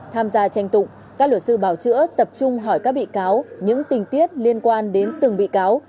tham gia tranh tụng các luật sư bảo chữa tập trung hỏi các bị cáo những tình tiết liên quan đến từng bị cáo